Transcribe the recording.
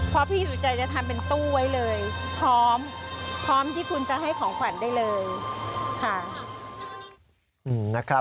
เพราะพี่สุจัยจะทำเป็นตู้ไว้เลยพร้อมพร้อมที่คุณจะให้ของขวัญได้เลยค่ะ